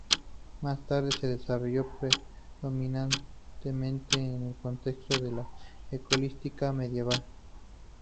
Más tarde se desarrolló predominantemente en el contexto de la escolástica medieval.